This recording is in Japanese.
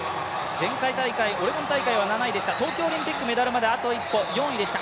前回大会オレゴン大会では７位でした、東京オリンピックではあと一歩、４位でした。